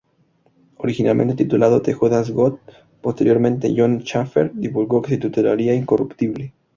Originalmente titulado "The Judas Goat", posteriormente Jon Schaffer divulgó que se titularía "Incorruptible".